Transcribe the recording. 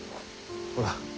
ほら。